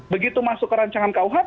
begitu masuk ke rancangan kuhp